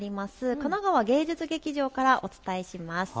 神奈川芸術劇場からお伝えします。